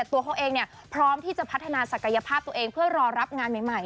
ตัวเขาเองพร้อมที่จะพัฒนาศักยภาพตัวเองเพื่อรอรับงานใหม่